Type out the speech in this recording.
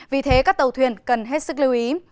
vì thế các tàu thuyền cần hết sức lưu ý